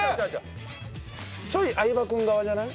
ちょい相葉君側じゃない？